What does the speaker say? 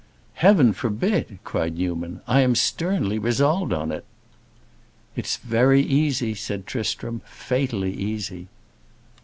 "Heaven forbid!" cried Newman. "I am sternly resolved on it." "It's very easy," said Tristram; "fatally easy!"